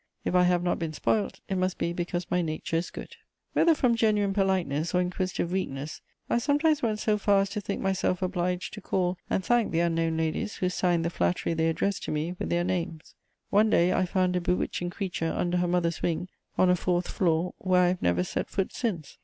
If I have not been spoilt, it must be because my nature is good. [Sidenote: And become the fashion.] Whether from genuine politeness or inquisitive weakness, I sometimes went so far as to think myself obliged to call and thank the unknown ladies who signed the flattery they addressed to me with their names. One day, I found a bewitching creature under her mother's wing, on a fourth floor, where I have never set foot since.